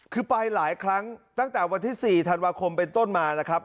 คือไปหลายครั้งตั้งแต่วันที่๔ธันวาคมเป็นต้นมานะครับ